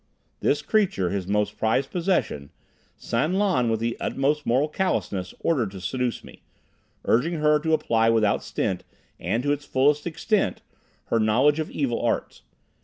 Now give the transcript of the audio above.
This creature, his most prized possession, San Lan with the utmost moral callousness ordered to seduce me, urging her to apply without stint and to its fullest extent, her knowledge of evil arts.